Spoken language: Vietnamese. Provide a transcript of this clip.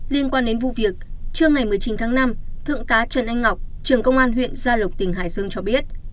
liên quan đến vụ việc trưa ngày một mươi chín tháng năm thượng tá trần anh ngọc trường công an huyện gia lộc tỉnh hải dương cho biết